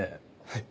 はい。